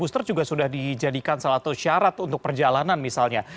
booster juga sudah dijadikan salah satu syarat untuk perjalanan misalnya